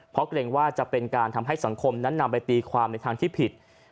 เพราะเกรงว่าจะเป็นการทำให้สังคมนั้นนำไปตีความในทางที่ผิด